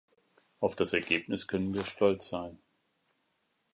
Auf das Ergebnis können wir stolz sein.